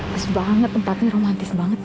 keren banget tempatnya romantis banget beb